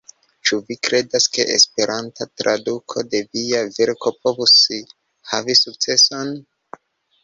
Ĉu vi kredas ke Esperanta traduko de via verko povus havi sukceson?